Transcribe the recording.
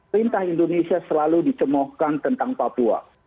perintah indonesia selalu dicemohkan tentang papua